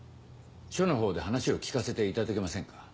署のほうで話を聞かせていただけませんか？